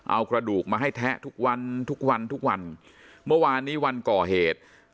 เอากระดูกมาให้แทะทุกวันทุกวันทุกวันทุกวันเมื่อวานนี้วันก่อเหตุ